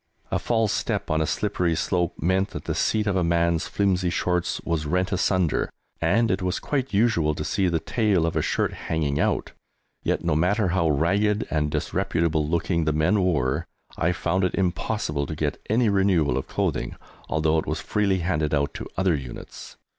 A false step on a slippery slope meant that the seat of a man's flimsy shorts was rent asunder, and it was quite usual to see the tail of a shirt hanging out! Yet, no matter how ragged and disreputable looking the men were, I found it impossible to get any renewal of clothing, although it was freely handed out to other units.